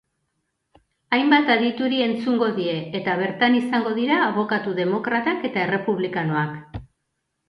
Hainbat adituri entzungo die, eta bertan izango dira abokatu demokratak eta errepublikanoak.